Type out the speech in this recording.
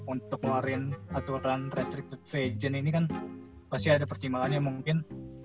untuk ngeluarin aturan restricted free agent ini kan pasti ada pertimbangannya mungkin